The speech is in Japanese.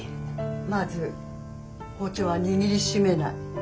まず包丁は握りしめない。